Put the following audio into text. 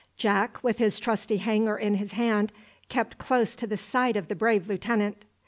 Jack, with his trusty hanger in his hand, kept close to the side of the brave lieutenant.